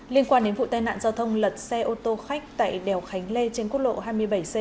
liên quan đến vụ tai nạn giao thông lật xe ô tô khách tại đèo khánh lê trên quốc lộ hai mươi bảy c